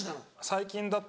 最近だと。